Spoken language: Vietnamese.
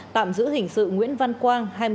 tạm giữ hình sự nguyễn văn quang